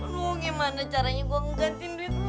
aduh gimana caranya gua ngegantiin duitnya